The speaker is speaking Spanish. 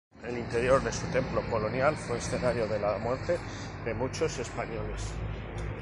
El interior de su Templo colonial fue escenario de la muerte de muchos españoles.